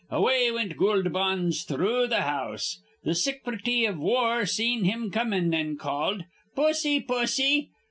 Away wint Goold Bonds through th' house. Th' Sicrety iv War seen him comin', an' called, 'Pussy, pussy.'